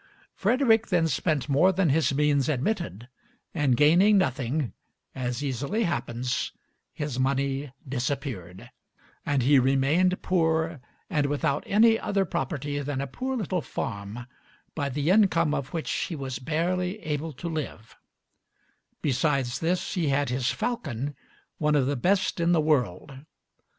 Frederick then spent more than his means admitted, and gaining nothing, as easily happens, his money disappeared, and he remained poor and without any other property than a poor little farm, by the income of which he was barely able to live; besides this, he had his falcon, one of the best in the world.